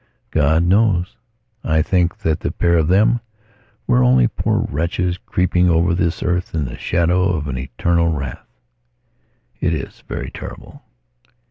God knows! I think that the pair of them were only poor wretches, creeping over this earth in the shadow of an eternal wrath. It is very terrible....